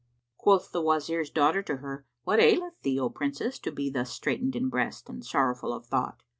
Quoth the Wazir's daughter to her, "What aileth thee, O Princess, to be thus straitened in breast and sorrowful of thought?"